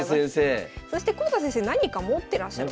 そして窪田先生何か持ってらっしゃる。